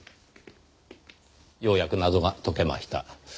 ようやく謎が解けました。